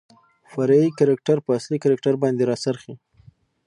فرعي کرکتر په اصلي کرکتر باندې راڅرخي .